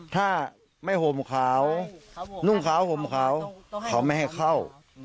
ถ้าไม่ห่มขาวนุ่งขาวห่มขาวเขาไม่ให้เข้า